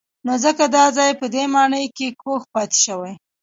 نو ځکه دا ځای په دې ماڼۍ کې کوږ پاتې شوی.